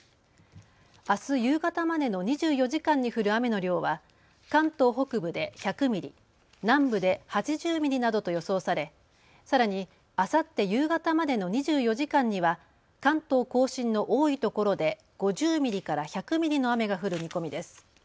あす夕方までの２４時間に降る雨の量は関東北部で１００ミリ、南部で８０ミリなどと予想されさらに、あさって夕方までの２４時間には関東甲信の多い所で５０ミリから１００ミリの雨が降る見込みです。